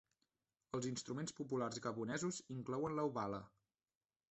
Els instruments populars gabonesos inclouen la Obala.